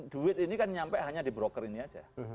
duit ini kan nyampe hanya di broker ini saja